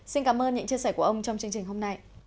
xin cảm ơn những chia sẻ của ông trong chương trình hôm nay